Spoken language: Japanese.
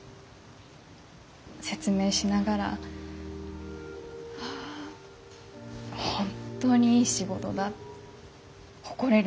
説明しながらああ本当にいい仕事だ誇れる